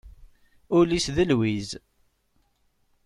Ul-is d lwiz.